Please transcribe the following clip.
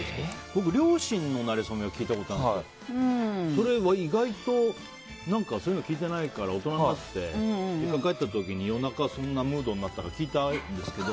両親のなれそめは聞いたことあるんですけど意外とそういうの聞いてないから大人になって、実家帰った時に夜中そんなムードになったから聞いたんですけど。